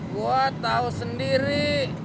gua tau sendiri